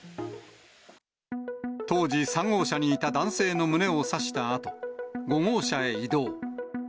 当時、３号車にいた男性の胸を刺したあと、５号車へ移動。